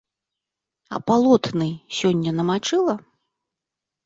А палотны сёння намачыла?